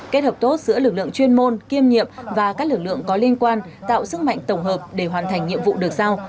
kết hợp tốt giữa lực lượng chuyên môn kiêm nhiệm và các lực lượng có liên quan tạo sức mạnh tổng hợp để hoàn thành nhiệm vụ được giao